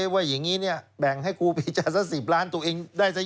ว่าอย่างนี้แบ่งให้ครูปีชาสัก๑๐ล้านตัวเองได้ซะ